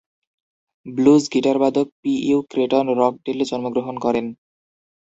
Blues গিটারবাদক Pee Wee Crayton রকডেলে জন্মগ্রহণ করেন।